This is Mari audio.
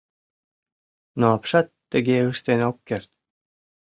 Но апшат тыге ыштен ок керт.